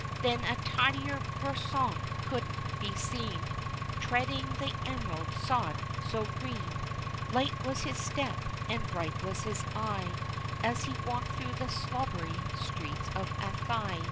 Then a tidier gorsoon couldn't be seen Treading the Emerald sod so green Light was his step and bright was his eye As he walked through the slobbery streets of Athy.